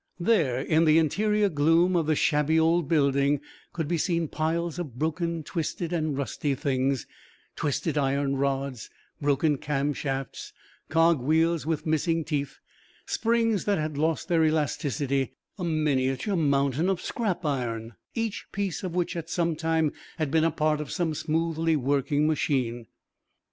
There, in the interior gloom of the shabby old building, could be seen piles of broken, twisted, and rusty things twisted iron rods, broken cam shafts, cog wheels with missing teeth, springs that had lost their elasticity a miniature mountain of scrap iron each piece of which at some time had been a part of some smoothly working machine.